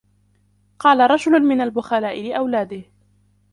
قال رجل من البخلاء لأولاده